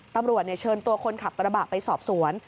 ตำรวจเชิญตัวคนขับกระบะไปสอบสวน